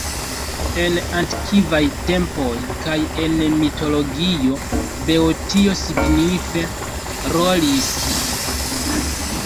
En antikvaj tempoj kaj en mitologio Beotio signife rolis.